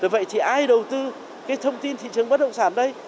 vậy thì ai đầu tư cái thông tin thị trường bất động sản đây